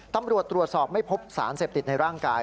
ตำรวจตรวจสอบไม่พบสารเสพติดในร่างกาย